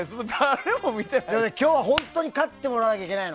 今日は本当に勝ってもらわなきゃいけないの。